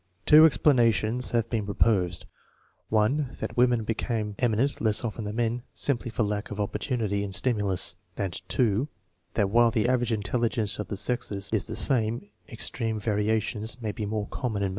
Two explanations have been proposed: (1) That women become eminent less often than men simply for lack of opportunity and stimulus; and (2) that while the Average intelligence of the sexes is the same, extreme variations may be more common in males.